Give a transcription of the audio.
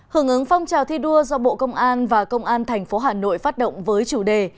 hưởng ứng phong trào thi đua do bộ công an và công an thành phố hà nội phát động với chủ đề